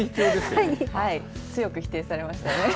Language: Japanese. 強く否定されましたね。